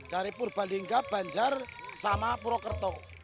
dari purbalingga banjar sama purwokerto